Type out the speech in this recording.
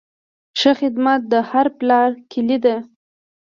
ښه خدمت د هر پلور کلي ده.